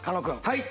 はい！